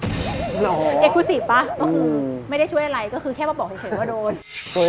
หรอเอกซูซิฟป่ะก็คือไม่ได้ช่วยอะไรก็คือแค่บอกเฉยว่าโดน